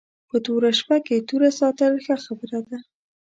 په توره شپه کې توره ساتل ښه خبره ده